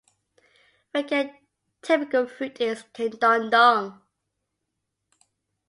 Rengat typical fruit is kedondong.